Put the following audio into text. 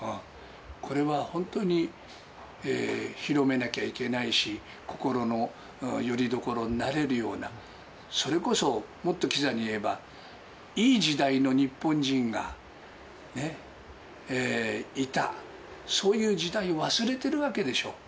これは本当に広めなきゃいけないし、心のよりどころになれるような、それこそ、もっときざに言えば、いい時代の日本人がいた、そういう時代を忘れてるわけでしょ。